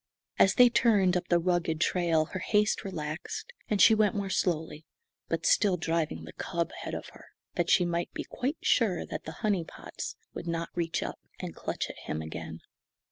As they turned up the rugged trail her haste relaxed, and she went more slowly, but still driving the cub ahead of her, that she might be quite sure that the "honey pots" would not reach up and clutch at him again.